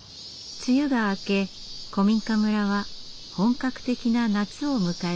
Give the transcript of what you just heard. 梅雨が明け古民家村は本格的な夏を迎えていました。